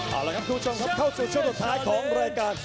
เอาละครับคุณผู้ชมครับเข้าสู่ช่วงสุดท้ายของรายการ